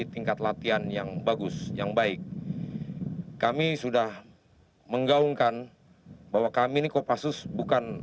tingkat latihan yang bagus yang baik kami sudah menggaungkan bahwa kami ini kopassus bukan